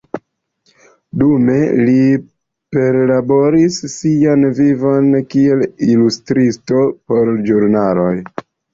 Dume li perlaboris sian vivon kiel ilustristo por ĵurnaloj.